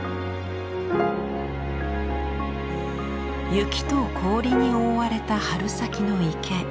雪と氷に覆われた春先の池。